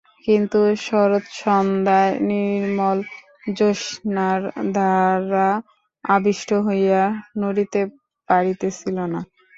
কিন্তু শরৎসন্ধ্যার নির্মল জ্যোৎস্নার দ্বারা আবিষ্ট হইয়া নড়িতে পারিতেছিল না।